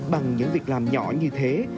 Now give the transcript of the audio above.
bằng những việc làm nhỏ như thế